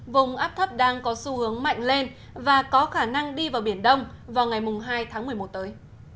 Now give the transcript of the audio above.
vùng áp thấp đang có xu hướng mạnh lên và có khả năng đi vào biển đông vào ngày hai tháng một mươi một tới